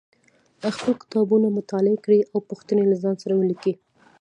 خپل کتابونه مطالعه کړئ او پوښتنې له ځان سره ولیکئ